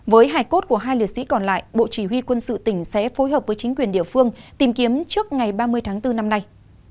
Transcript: với hải cốt của hai liệt sĩ còn lại bộ chỉ huy quân sự tỉnh sẽ phối hợp với chính quyền địa phương tìm kiếm trước ngày ba mươi tháng bốn năm nay